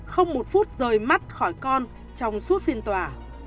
không một phút rời mắt khỏi con trong suốt phiên tòa